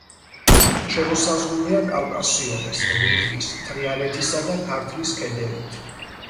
შემოსაზღვრულია კავკასიონის, ლიხის, თრიალეთისა და ქართლის ქედებით.